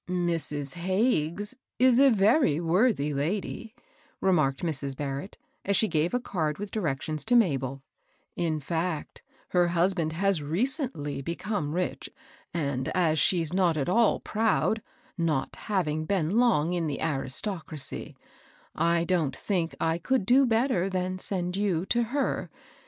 " Mrs. Hagges is a very worthy lady," remarked Mrs. Barrett, as she gave a card with directions to Mabel; "in fact, her husband has recently become rich, and as she's not at all proud, — not having been long in the aristocracy, — I doi^ think I could do better than send you to her.